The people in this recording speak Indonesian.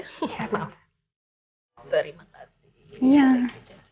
ini dokternya dokter di situ ya mami